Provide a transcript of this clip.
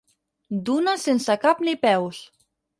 Dunes sense cap ni peus.